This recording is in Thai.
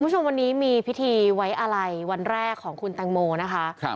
คุณผู้ชมวันนี้มีพิธีไว้อะไรวันแรกของคุณแตงโมนะคะ